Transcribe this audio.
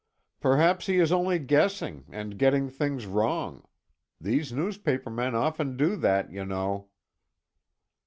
"Perhaps he is only guessing, and getting things wrong. These newspaper men often do that, you know."